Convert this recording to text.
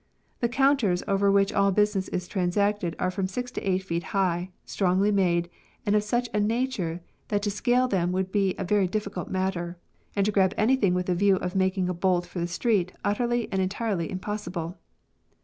The counters over which all business is transacted are from six to eight feet high, strongly made, and of such a nature that to scale them would be a very difficult matter, and to grab anything with the view of making a bolt for the street utterly and entirely impossible.